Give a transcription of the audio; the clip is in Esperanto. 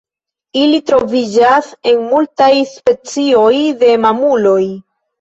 Ili troviĝas en multaj specioj de mamuloj.